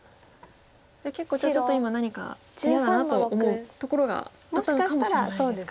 じゃあ結構ちょっと今何か嫌だなと思うところがあったのかもしれないですか。